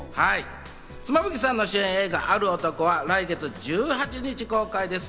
妻夫木さんの主演映画『ある男』は来月１８日公開です。